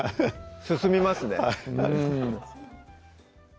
進みますねはい